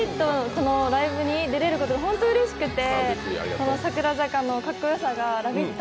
このライブに出れることうれしくて櫻坂のかっこよさが「ラヴィット！」